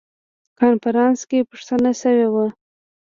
کنفرانس کې پوښتنه شوې وه.